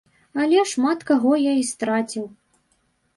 Але шмат каго я і страціў.